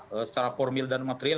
secara formil dan material